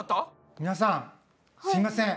みなさんすいません。